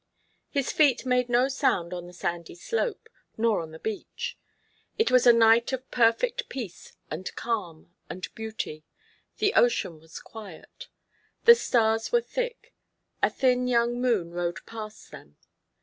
His feet made no sound on the sandy slope, nor on the beach. It was a night of perfect peace and calm and beauty. The ocean was quiet. The stars were thick; a thin young moon rode past them.